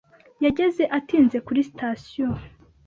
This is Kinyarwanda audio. yageze atinze kuri sitasiyo.